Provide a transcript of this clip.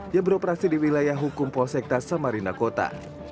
yang beroperasi di wilayah hukum polsekta samarinda kota